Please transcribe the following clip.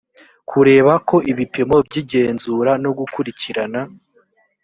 kureba ko ibipimo by igenzura no gukurikirana